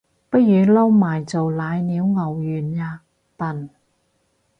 不如撈埋做瀨尿牛丸吖笨